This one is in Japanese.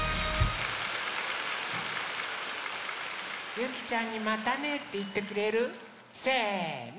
ゆきちゃんにまたね！っていってくれる？せの！